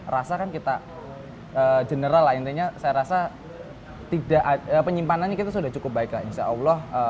rasa kan kita general lah intinya saya rasa penyimpanannya kita sudah cukup baik lah insya allah